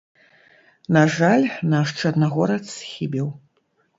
На жаль, наш чарнагорац схібіў.